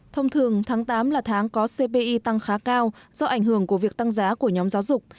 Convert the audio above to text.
thông thường tháng tám là tháng có cpi tăng khá cao do ảnh hưởng của việc tăng giá của nhóm giáo dục